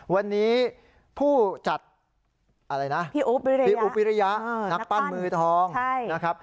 วันนี้ผู้จัดพี่อุ๊บวิริยะนักปั้นมือทอง